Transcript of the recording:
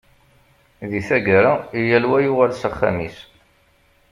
Di taggara, yal wa yuɣal s axxam-is.